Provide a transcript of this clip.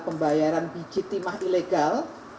pembayaran biji timah ilegal